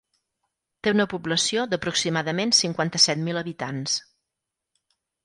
Té una població d'aproximadament cinquanta-set mil habitants.